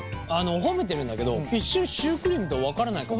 褒めてるんだけど一瞬シュークリームとは分からないかも。